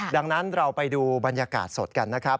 ดังนั้นเราไปดูบรรยากาศสดกันนะครับ